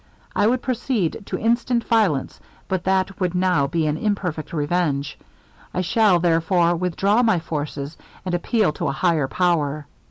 I would proceed to instant violence, but that would now be an imperfect revenge. I shall, therefore, withdraw my forces, and appeal to a higher power.